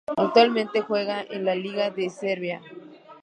Actualmente juega en la Liga de Serbia.